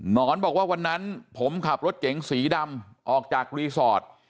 นอนบอกว่าวันนั้นผมขับรถเก๋งสีดำออกจากรีสอร์ท